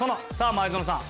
前園さん